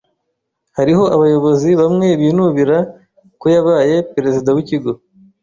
Hariho abayobozi bamwe binubira ko yabaye perezida wikigo